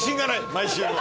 毎週の。